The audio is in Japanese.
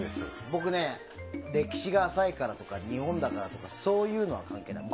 僕、歴史が浅いからとか日本だからとかそういうのは関係ない。